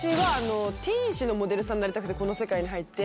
ティーン誌のモデルさんになりたくてこの世界に入って。